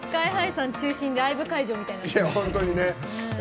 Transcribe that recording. ＳＫＹ‐ＨＩさん中心にライブ会場みたいな。